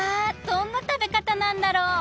どんな食べかたなんだろう？